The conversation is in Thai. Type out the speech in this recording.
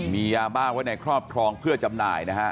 มียาบ้าไว้ในครอบครองเพื่อจำหน่ายนะฮะ